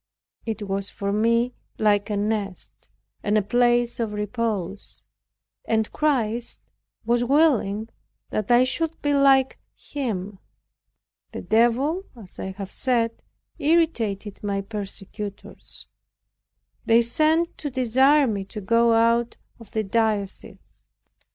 It was for me like a nest and a place of repose and Christ was willing that I should be like Him. The Devil, as I have said, irritated my persecutors. They sent to desire me to go out of the diocese.